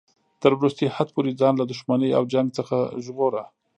تر وروستي حد پورې ځان له دښمنۍ او جنګ څخه ژغوره.